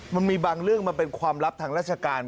มันมีบางเรื่องมันเป็นความลับทางราชการ